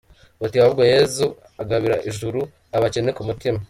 Bati ahubwo Yezu agabira ijuru “Abakene ku mutima”.